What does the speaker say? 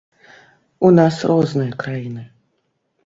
У нас розныя краіны.